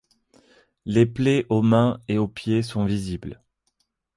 Les plaies aux mains et aux pieds sont visibles.